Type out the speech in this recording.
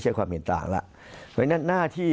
มุมนักวิจักรการมุมประชาชนทั่วไป